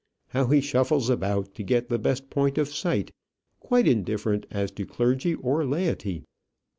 How he shuffles about to get the best point of sight, quite indifferent as to clergy or laity!